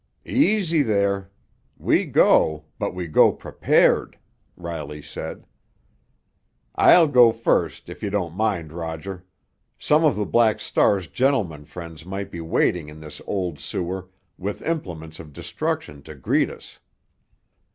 "Easy there! We go—but we go prepared!" Riley said. "I'll go first, if you don't mind, Roger. Some of the Black Star's gentlemen friends might be waiting in this old sewer with implements of destruction to greet us."